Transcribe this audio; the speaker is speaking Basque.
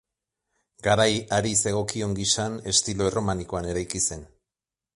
Garai hari zegokion gisan estilo erromanikoan eraiki zen.